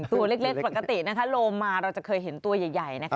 ตัวเล็กปกตินะคะโลมาเราจะเคยเห็นตัวใหญ่นะคะ